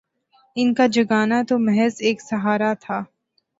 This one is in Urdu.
ان کا جگانا تو محض ایک سہارا تھا